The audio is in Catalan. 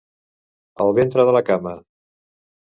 El ventre de la cama.